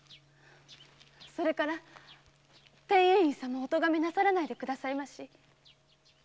それから天英院様をお咎めなさらないでくださいまし。